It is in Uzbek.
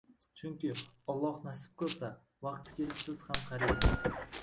Chunki, Alloh nasib qilsa, vaqti kelib siz ham qariysiz.